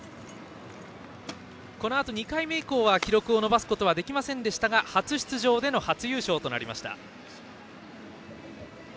このあと２回目以降は記録を伸ばすことはできませんでしたが初出場での初優勝でした。